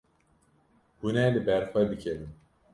Hûn ê li ber xwe bikevin.